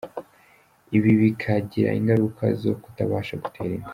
Ibi bikagira ingaruka zo kutabasha gutera inda.